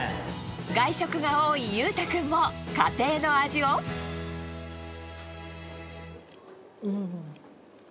外食が多い裕太君も、家庭のうーん。